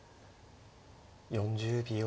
４０秒。